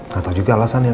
gak tau juga alasannya